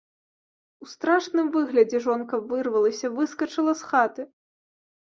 У страшным выглядзе жонка вырвалася, выскачыла з хаты.